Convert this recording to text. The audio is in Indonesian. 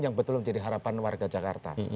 yang betul betul menjadi harapan warga jakarta